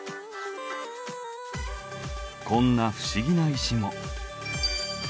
こんな不思議な石も。